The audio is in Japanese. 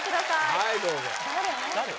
はいどうぞ誰？